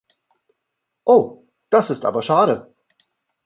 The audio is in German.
Oh! das ist aber schade!